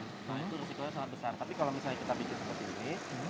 nah itu risikonya sangat besar tapi kalau misalnya kita bikin seperti ini